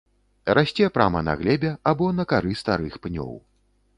Расце прама на глебе або на кары старых пнёў.